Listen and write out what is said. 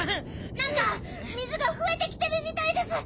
何か水が増えてきてるみたいです！